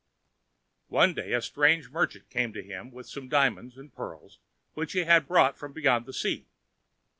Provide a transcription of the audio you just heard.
One day a strange merchant came to him with some diamonds and pearls which he had brought from beyond the sea.